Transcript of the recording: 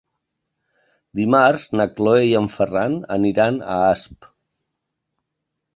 Dimarts na Cloè i en Ferran aniran a Asp.